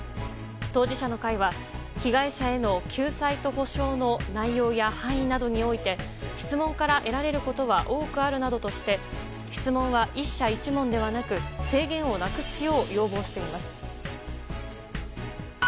当事者の会は被害者への救済と補償の内容や範囲などにおいて質問から得られることは多くあるなどとして質問は１社１問ではなく制限をなくすよう要望しています。